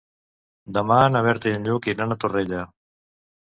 Demà na Berta i en Lluc iran a Torrella.